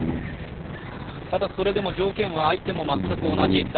ただ、それでも条件は相手も全く同じ。